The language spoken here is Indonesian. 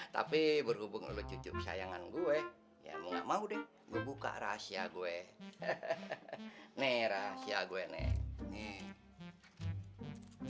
tapi berhubung lucu sayangan gue ya nggak mau deh buka rahasia gue nih rahasia gue nih